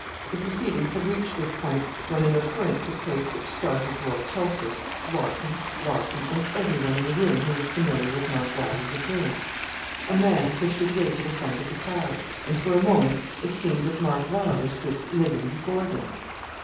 The proceedings had reached this point when an occurrence took place which startled Lord Chelford, Larkin, Larcom, and every one in the room who was familiar with Mark Wylder's appearance. A man pushed his way to the front of the crowd, and for a moment it seemed that Mark Wylder stood living before them.